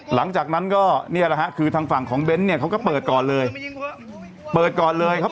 กลัวนะมันต้องถือก็ต้องกันตัว